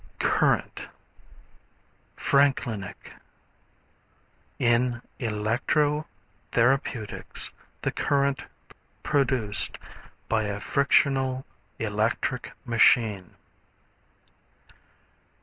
Current, Franklinic. In electro therapeutics the current produced by a frictional electric machine.